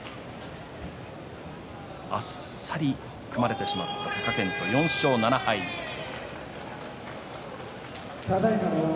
あっさり組まれてしまって貴健斗、４勝７敗です。